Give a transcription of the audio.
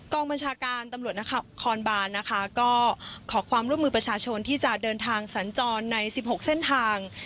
บัญชาการตำรวจนครบานนะคะก็ขอความร่วมมือประชาชนที่จะเดินทางสัญจรใน๑๖เส้นทาง